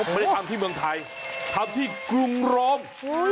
ไม่ได้ทำที่เมืองไทยทำที่กรุงโรม